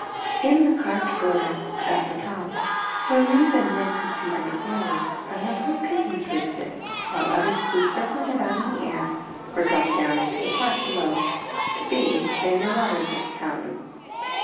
In the carved border about the 4" MY BOOK HOUSE top, where Ruth and Ned could see them clearly, a number of pigeons roosted, while others flew circling about in the air or dropped down into the park below, to bathe and play in the waters of the fountain.